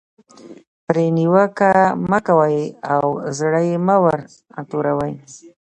پرې نیوکه مه کوئ او زړه یې مه ور توروئ.